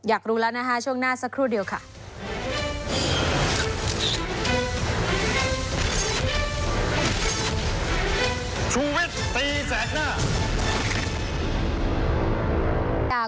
อยากรู้แล้วนะคะช่วงหน้าสักครู่เดียวค่ะ